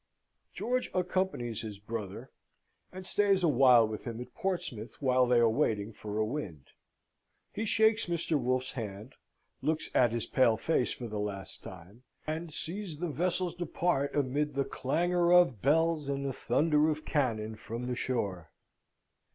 George accompanies his brother, and stays a while with him at Portsmouth whilst they are waiting for a wind. He shakes Mr. Wolfe's hand, looks at his pale face for the last time, and sees the vessels depart amid the clangour of bells, and the thunder of cannon from the shore.